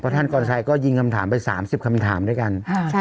ท่านกรชัยก็ยิงคำถามไป๓๐คำถามด้วยกัน